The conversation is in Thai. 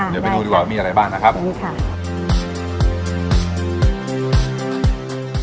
ค่ะได้ไปดูดีกว่ามีอะไรบ้างนะครับนี่ค่ะ